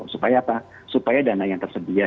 supaya apa supaya dana yang tersedia